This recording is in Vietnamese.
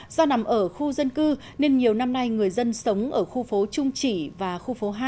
do nằm ở khu dân cư nên nhiều năm nay người dân sống ở khu phố trung chỉ và khu phố hai